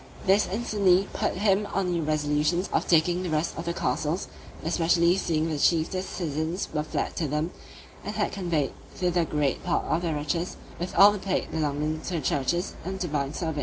This instantly put him on new resolutions of taking the rest of the castles, especially seeing the chiefest citizens were fled to them, and had conveyed thither great part of their riches, with all the plate belonging to the churches and divine service.